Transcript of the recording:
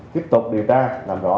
tiếp tục điều tra làm rõ